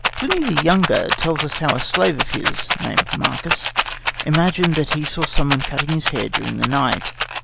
Pliny the Younger tells us how a slave of his, named Marcus, imagined that he saw someone cutting his hair during the night.